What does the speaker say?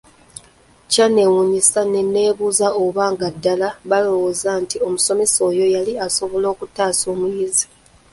Kyanneewuunyisa ne nneebuuza oba nga ddala balowooza nti omusomesa oyo yali asobola okutaasa omuyizi.